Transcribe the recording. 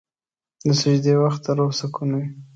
د سجدې وخت د روح سکون وي.